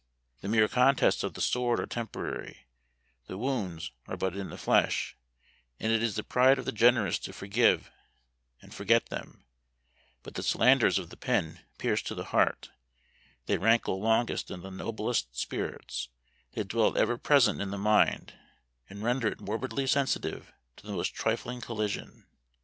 The mere contests of the sword are temporary; their wounds are but in the flesh, and it is the pride of the generous to forgive and forget them; but the slanders of the pen pierce to the heart; they rankle longest in the noblest spirits; they dwell ever present in the mind, and render it morbidly sensitive to the most trifling collision.